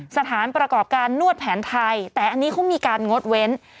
สถานประกอบการนวดแผนไทยแต่อันนี้เขามีการงดเว้น